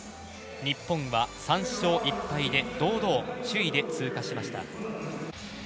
日本は３勝１敗で堂々首位で通過しました。